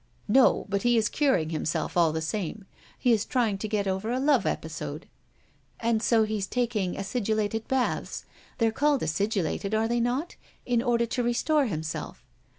"No, but he is curing himself, all the same. He is trying to get over a love episode." "And so he's taking acidulated baths they're called acidulated, are they not? in order to restore himself."